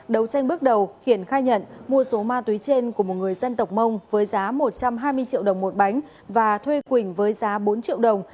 đấu tranh bước đầu hiển khai nhận mua số ma túy trên của một người dân tộc mông với giá một trăm hai mươi triệu đồng một bánh và thuê quỳnh với giá bốn triệu đồng